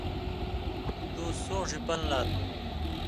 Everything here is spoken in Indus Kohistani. تُوۡ سُون٘ݜیۡ پن٘دہۡ لا تھُو۔